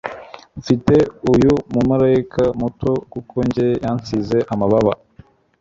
mfite uyu mumarayika muto. kuri njye yansize amababa